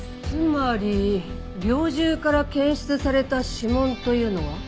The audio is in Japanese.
つまり猟銃から検出された指紋というのは？